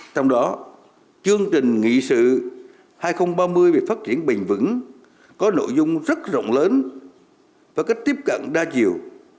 trong đó chương trình nghị sự hai nghìn ba mươi về phát triển bình vững có nội dung rất rộng lớn và cách tiếp cận đa chiều